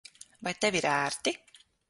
Vai tev ir ērti?